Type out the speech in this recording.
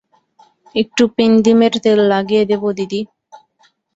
একটু পিন্দিমের তেল লাগিয়ে দেব দিদি?